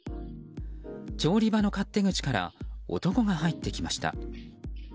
調理場の勝手口から男が入ってきました。